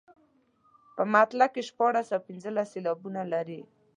په مطلع کې شپاړس او پنځلس سېلابونه لري.